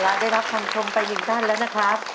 ล้านด้วยครับทางชมไป๑ท่านแล้วนะครับ